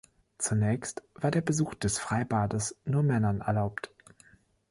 Zunächst war der Besuch des Freibades nur Männern erlaubt.